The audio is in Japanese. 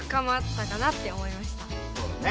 そうだね。